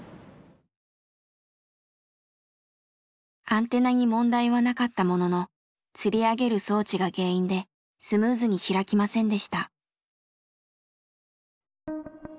アンテナに問題はなかったもののつり上げる装置が原因でスムーズに開きませんでした。